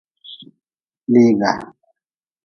Liiga.